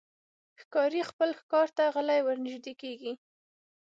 ښکاري خپل ښکار ته غلی ورنژدې کېږي.